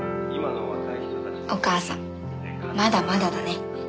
お母さんまだまだだね。